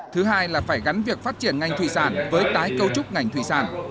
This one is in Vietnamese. thứ hai là phải gắn việc phát triển ngành thủy sản với tái câu trúc ngành thủy sản